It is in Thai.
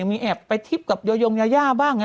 ยังมีแอบติ๊บกับเยายาบ้าง